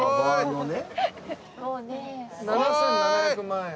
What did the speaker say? ７７００万円。